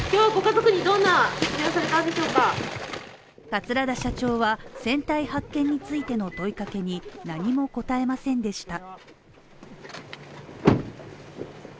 桂田社長は船体発見についての問いかけに何も答えませんでした。